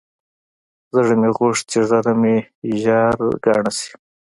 زړه مې غوښت چې ږيره مې ژر گڼه سي.